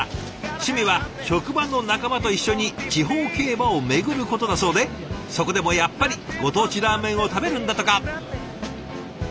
趣味は職場の仲間と一緒に地方競馬を巡ることだそうでそこでもやっぱりご当地ラーメンを食べるんだとか。